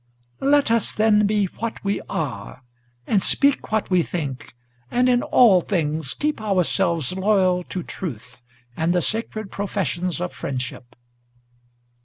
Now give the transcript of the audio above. "Let us, then, be what we are, and speak what we think, and in all things Keep ourselves loyal to truth, and the sacred professions of friendship.